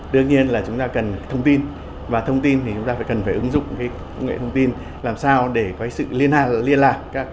đương nhiên là chúng ta cần thông tin và thông tin thì chúng ta phải cần phải ứng dụng công nghệ thông tin làm sao để có sự liên lạc